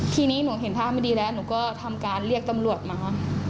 ทีนี้หนูเห็นท่าไม่ดีแล้วหนูก็ทำการเรียกตำรวจมา